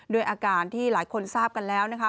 ด้วยอาการที่หลายคนทราบกันแล้วนะคะ